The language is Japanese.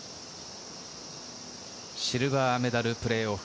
シルバーメダルプレーオフ。